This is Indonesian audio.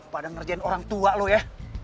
pada ngerjain orang tua loh ya